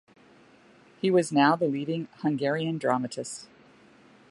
He was now the leading Hungarian dramatist.